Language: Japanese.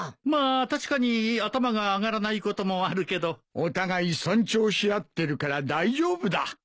まあ確かに頭が上がらないこともあるけど。お互い尊重し合ってるから大丈夫だ。